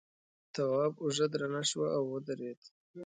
تواب اوږه درنه شوه او ودرېد.